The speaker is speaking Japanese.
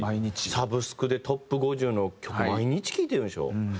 サブスクでＴＯＰ５０の曲毎日聴いてるんでしょ？